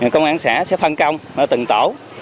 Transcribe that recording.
công an xã sẽ phân công từng tổ